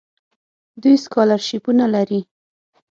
دوی سکالرشیپونه لري.